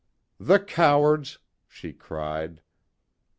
"The cowards!" she cried.